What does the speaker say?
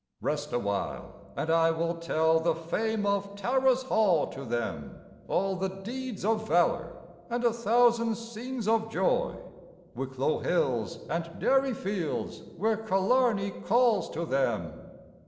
Rest awhile and I will tell the fame of Tara's Hall to them, All the deeds of valor and a thousand scenes of joy, Wicklow hills and Derry fields where Killarney calls to them.